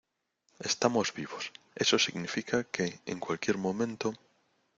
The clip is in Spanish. estamos vivos. eso significa que, en cualquier momento